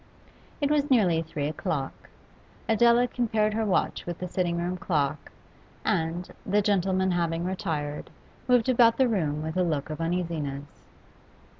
It was nearly three o'clock. Adela compared her watch with the sitting room clock, and, the gentlemen having retired, moved about the room with a look of uneasiness.